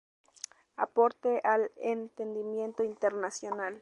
Aporte al entendimiento internacional.